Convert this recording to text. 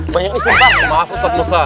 banyak isi sabar